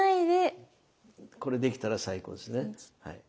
これできたら最高ですねはい。